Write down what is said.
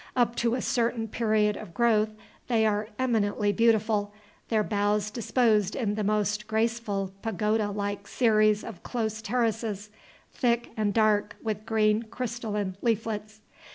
Up to a certain period of growth they are eminently beautiful, their boughs disposed in the most graceful pagoda like series of close terraces, thick and dark with green crystalline leaflets.